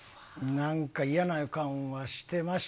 なんか嫌な予感はしてました。